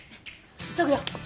急ぐよ。